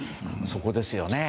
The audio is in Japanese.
そこですよね。